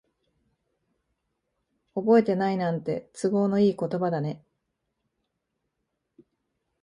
覚えてないなんて、都合のいい言葉だね。